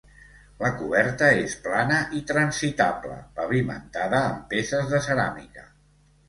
La coberta és plana i transitable, pavimentada amb peces de ceràmica.